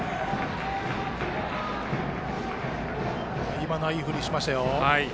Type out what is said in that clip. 今のはいい振りをしましたよ。